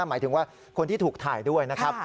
หมายถึงว่าคนที่ถูกถ่ายด้วยนะครับ